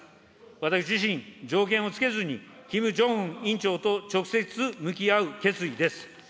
私自身、条件を付けずに、キム・ジョンウン委員長と直接向き合う決意です。